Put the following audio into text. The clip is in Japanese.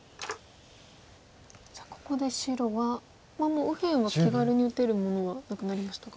さあここで白はもう右辺は気軽に打てるものはなくなりましたか？